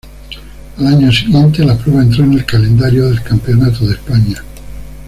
Al año siguiente la prueba entró en el calendario del Campeonato de España.